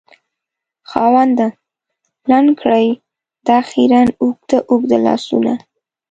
خاونده! لنډ کړې دا خیرن اوږده اوږده لاسونه